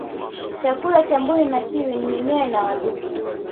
chakula cha mbuni na kiwi ni mimea na wadudu